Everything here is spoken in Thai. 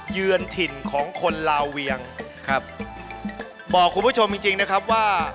เยือนถิ่นของคนลาเวียงครับบอกคุณผู้ชมจริงจริงนะครับว่า